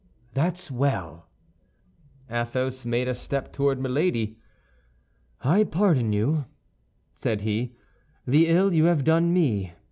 "That's well." Athos made a step toward Milady. "I pardon you," said he, "the ill you have done me.